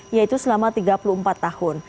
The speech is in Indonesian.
yaitu selama tiga puluh empat tahun